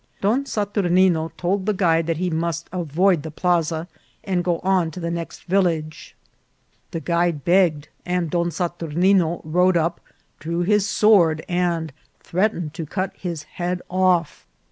Don Saturnino told the guide that he must avoid the plaza and go on to the next village. The guide begged, and Don Sat urnino rode up, drew his sword, and threatened to cut his head off.